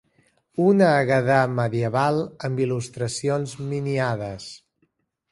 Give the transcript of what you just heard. Una hagadà medieval amb il·lustracions miniades.